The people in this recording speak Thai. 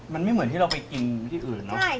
มันไม่เหมือนที่เราไปกินที่อื่นเนอะ